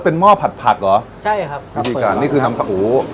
เป็นหม้อผัดผักเหรอใช่ครับวิธีการนี่คือทำผักหู